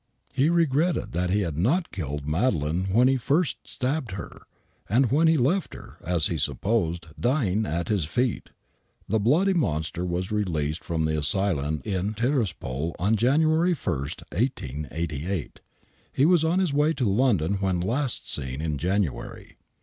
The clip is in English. He regretted that he had not killed Madeleine when he first stabbed her, and when he left her, as he supposed, dying at his feet. The bloody monster was released from the asylum in Tiraspol on January 1, 1888. He was on his way to London when last seen in January.